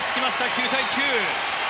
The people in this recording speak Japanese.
９対９。